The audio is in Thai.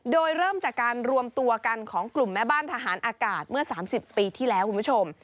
โดยเริ่มจากการรวมตัวกันของกลุ่มแม่บ้านทหารอากาศเมื่อ๓๐ปีที่แล้วคุณผู้ชม